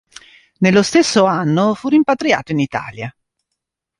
Nello stesso anno fu rimpatriato in Italia.